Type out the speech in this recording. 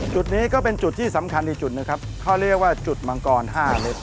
จุดนี้ก็เป็นจุดที่สำคัญอีกจุดหนึ่งครับเขาเรียกว่าจุดมังกร๕เมตร